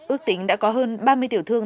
ước tính đã có hơn ba mươi tiểu thương